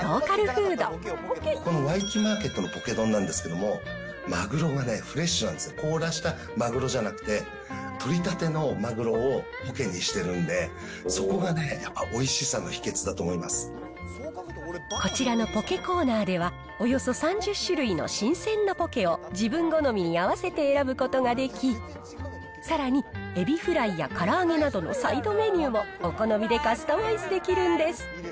このワイキキマーケットのポケ丼なんですけど、作るまでフレッシュなんです、凍らせたマグロじゃなくて、取れたてのマグロをポケにしてるんで、そこがね、やっぱおいしさこちらのポケコーナーでは、およそ３０種類の新鮮なポケを自分好みに合わせて選ぶことができ、さらにエビフライやから揚げなどのサイドメニューもお好みでカスタマイズできるんです。